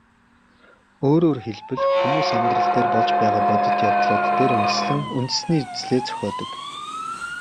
Өөрөөр хэлбэл, хүмүүс амьдрал дээр болж байгаа бодтой явдлууд дээр үндэслэн үндэсний үзлээ зохиодог.